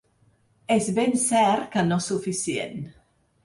És ben cert que no suficient.